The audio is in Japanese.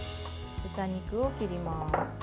豚肉を切ります。